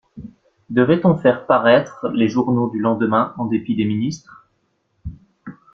Devait-on faire paraître les journaux du lendemain, en dépit des ministres?